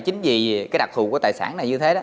chính vì cái đặc thù của tài sản này như thế đó